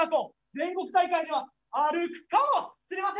全国大会では歩くかもしれません。